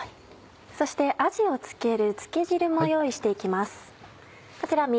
そしてあじを漬ける漬け汁も用意して行きます。